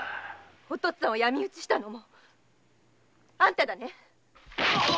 お父っつぁんを闇討ちしたのもあんただね！